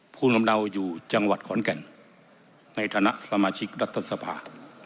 ภูมิลำเนาอยู่จังหวัดขอนแก่นในฐานะสมาชิกรัฐสภา